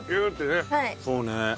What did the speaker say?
そうね。